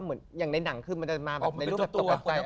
เหมือนอย่างในหนังคือมันจะมาแบบในรูปแบบตกใจ